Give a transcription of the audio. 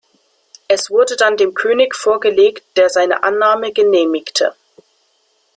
Es wurde dann dem König vorgelegt, der seine Annahme genehmigte.